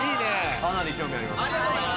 かなり興味あります